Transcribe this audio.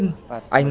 anh nguyễn văn hà